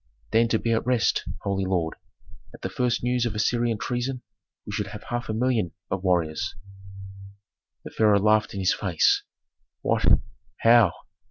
"Deign to be at rest, holy lord. At the first news of Assyrian treason we should have half a million of warriors." The pharaoh laughed in his face. "What? How?